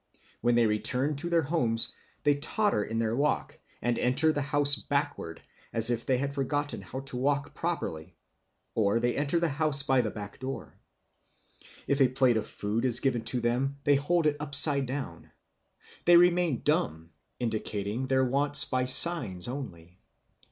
When they return to their homes they totter in their walk, and enter the house backward, as if they had forgotten how to walk properly; or they enter the house by the back door. If a plate of food is given to them, they hold it upside down. They remain dumb, indicating their wants by signs only.